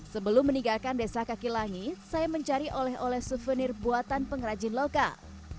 sebelum meninggalkan desa kaki langit saya mencari oleh oleh souvenir buatan pengrajin lokal